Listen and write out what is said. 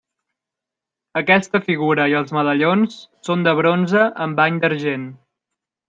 Aquesta figura i els medallons són de bronze amb bany d'argent.